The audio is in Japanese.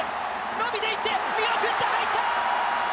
伸びていって、見送った、入った！